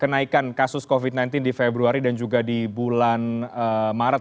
kenaikan kasus covid sembilan belas di februari dan juga di bulan maret